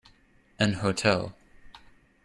An hotel.